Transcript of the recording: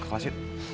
ke kelas yuk